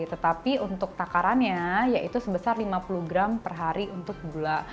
tetapi untuk takarannya yaitu sebesar lima puluh gram per hari untuk gula